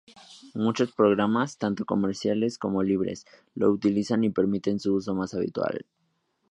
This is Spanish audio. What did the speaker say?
Muchos programas, tanto comerciales como libres, lo utilizan y permiten su uso más habitual.